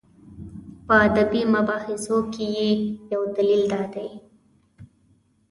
په ادبي مباحثو کې یې یو دلیل دا دی.